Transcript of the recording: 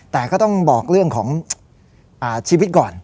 แต่ก็ต้องบอกเรื่องของชีวิตก่อน